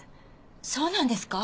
そうなんですか？